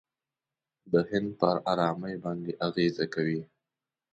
د هند پر آرامۍ باندې اغېزه کوي.